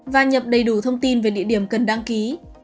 và nhập đầy đủ thông tin về địa điểm cần đăng ký